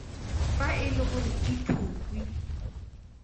Fa e le gore ke Phukwi.